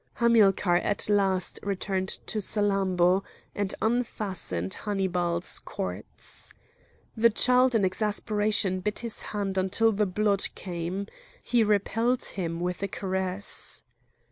Hamilcar at last returned to Salammbô, and unfastened Hannibal's cords. The child in exasperation bit his hand until the blood came. He repelled him with a caress.